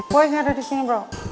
boy kenapa disini bro